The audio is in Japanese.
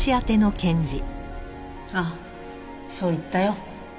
ああそう言ったよ。